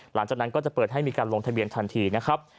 หลังจากนั้นก็จะเปิดให้มีการลงทะเบียนทันทีนะครับ